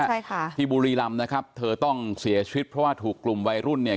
ใช่ค่ะที่บุรีรำนะครับเธอต้องเสียชีวิตเพราะว่าถูกกลุ่มวัยรุ่นเนี่ย